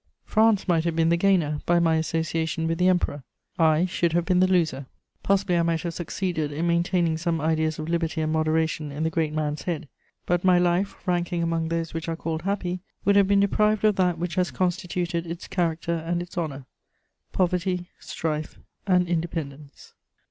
France might have been the gainer by my association with the Emperor; I should have been the loser. Possibly I might have succeeded in maintaining some ideas of liberty and moderation in the great man's head; but my life, ranking among those which are called happy, would have been deprived of that which has constituted its character and its honour: poverty, strife and independence.